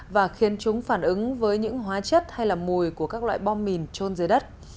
và khiến chúng phản ứng với những hóa chất hay là mùi của các loại bom mìn trôn dưới đất